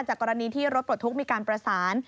กรณีที่รถปลดทุกข์มีการประสาน